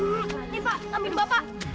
ini pak ambil bapak